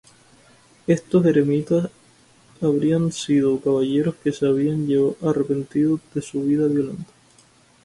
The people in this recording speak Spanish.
Estos eremitas habrían sido caballeros que se habían arrepentido de su vida violenta.